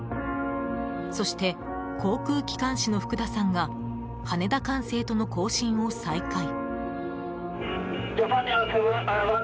そして航空機関士の福田さんが羽田管制との交信を再開。